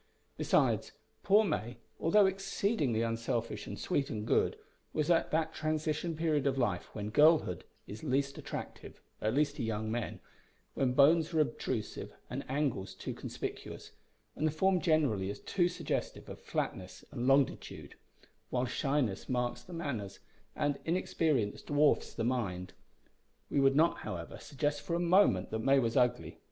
Besides, poor May, although exceedingly unselfish and sweet and good, was at that transition period of life when girlhood is least attractive at least to young men: when bones are obtrusive, and angles too conspicuous, and the form generally is too suggestive of flatness and longitude; while shyness marks the manners, and inexperience dwarfs the mind. We would not, however, suggest for a moment that May was ugly.